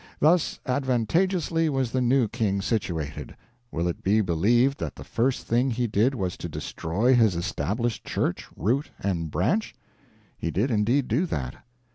Thus advantageously was the new king situated. Will it be believed that the first thing he did was to destroy his Established Church, root and branch? He did indeed do that.